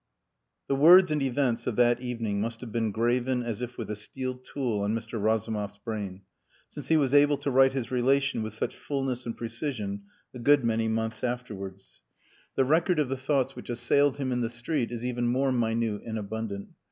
II The words and events of that evening must have been graven as if with a steel tool on Mr. Razumov's brain since he was able to write his relation with such fullness and precision a good many months afterwards. The record of the thoughts which assailed him in the street is even more minute and abundant.